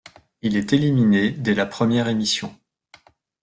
Il est éliminé dès la première émission.